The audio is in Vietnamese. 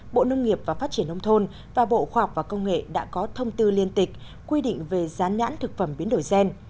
bộ nông nghiệp và phát triển nông thôn và bộ khoa học và công nghệ đã có thông tư liên tịch quy định về gián nhãn thực phẩm biến đổi gen